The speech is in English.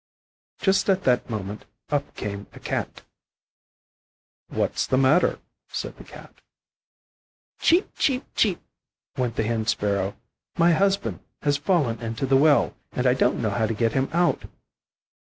Just at that moment up came a Cat. "What's the matter?" said the Cat. "Cheep, cheep, cheep," went the Hen sparrow. "My husband has fallen into the well, and I don't know how to get him out."